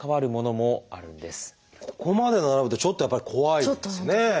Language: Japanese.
ここまで並ぶとちょっとやっぱり怖いですね。